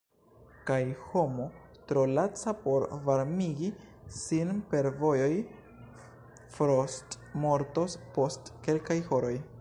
Kaj homo tro laca por varmigi sin per movoj frostmortos post kelkaj horoj.